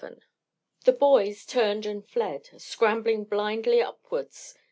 XI The boys turned and fled, scrambling blindly upwards.